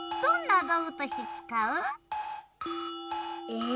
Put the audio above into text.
え！